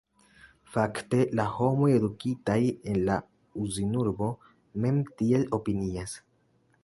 Fakte, la homoj, edukitaj en la Uzinurbo, mem tiel opinias.